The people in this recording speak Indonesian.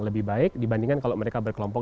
lebih baik dibandingkan kalau mereka berkelompok